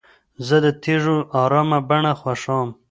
زه د تیږو ارامه بڼه خوښوم.